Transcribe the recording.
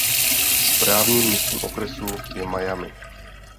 Správním městem okresu je Miami.